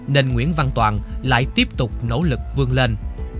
nên nguyễn văn toàn lại tiếp tục nỗ lực vươn lên